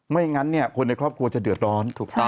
ไม่งั้นคนในครอบครัวจะเดือดร้อน